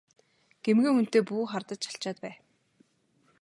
Гэмгүй хүнтэй бүү хардаж чалчаад бай!